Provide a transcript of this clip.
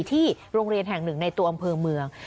ที่โรงเรียนแห่งหนึ่งในตัวอำเภอเมือง